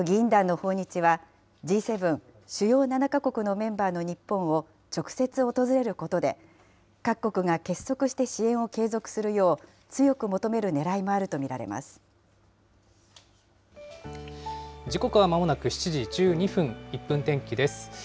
今回の議員団の訪日は、Ｇ７・主要７か国のメンバーの日本を、直接訪れることで、各国が結束して支援を継続するよう強く求めるね時刻はまもなく７時１２分、１分天気です。